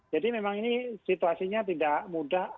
jadi memang ini situasinya tidak mudah